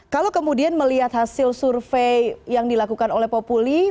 kalau kemudian melihat hasil survei yang dilakukan oleh populi